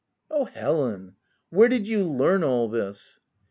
5 " Oh, Helen ! where did you learn all this